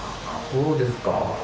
そうですか。